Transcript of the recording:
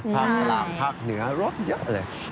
ภาคกลางภาคเหนือรถเยอะเลย